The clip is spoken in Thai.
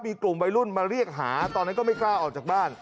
มีกลุ่มวัยรุ่นมาเรียกหาตอนนั้นก็ไม่กล้าออกจากบ้าน